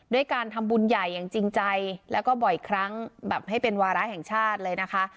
ด้วยการทำบุญใหญ่อย่างจริงใจแล้วก็บ่อยครั้งแบบให้เป็นวาระแห่งชาติเลยนะคะ